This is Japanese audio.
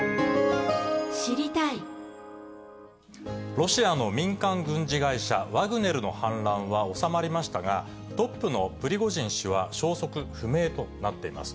ロシアの民間軍事会社、ワグネルの反乱は収まりましたが、トップのプリゴジン氏は、消息不明となっています。